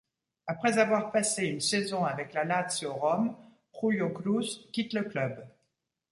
Après avoir passé une saison avec la Lazio Rome, Julio Cruz quitte le club.